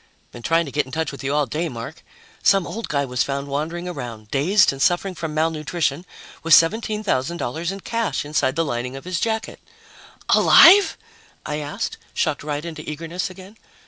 "Been trying to get in touch with you all day, Mark. Some old guy was found wandering around, dazed and suffering from malnutrition, with $17,000 in cash inside the lining of his jacket." "Alive?" I asked, shocked right into eagerness again.